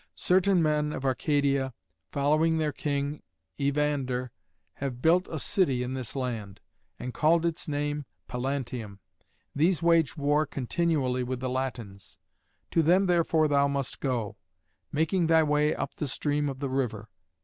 Certain men of Arcadia, following their king, Evander, have built a city in this land, and called its name Pallantium. These wage war continually with the Latins. To them therefore thou must go, making thy way up the stream of the river.